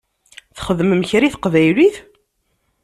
Txedmem kra i teqbaylit?